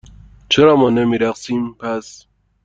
چرا ما نمی رقصیم، پس؟